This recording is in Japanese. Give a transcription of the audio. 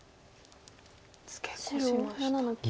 ツケコしました。